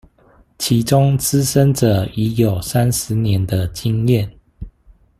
其中資深者已有三十年的經驗